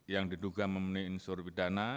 yang diduga memenuhi unsur pidana